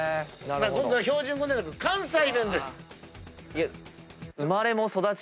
今回標準語ではなく関西弁です。